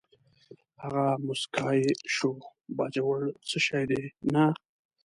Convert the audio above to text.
هغه موسکی شو: باجوړ څه شی دی، نه.